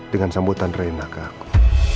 dengan sambutan raina ke aku